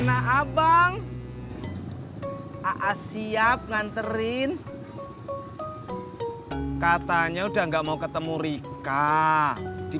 pak bapak bisa servis mikstran yang buat bikin kue